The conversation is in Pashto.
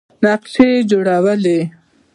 نقشې یې جوړولې.